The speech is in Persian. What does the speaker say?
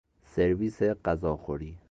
سرویس غذاخوری